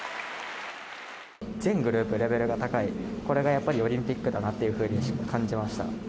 全グループレベルが高い、これがやっぱり、オリンピックだなというふうに感じました。